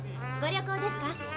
ご旅行ですか？